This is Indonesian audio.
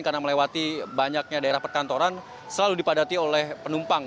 karena melewati banyaknya daerah perkantoran selalu dipadati oleh penumpang